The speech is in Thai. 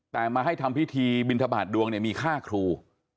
แต่มาให้ทำพิธีบินทบาทดวงเนี่ยมีค่าครู